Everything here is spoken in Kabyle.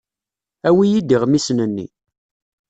Awi-iyi-d iɣmisen-nni.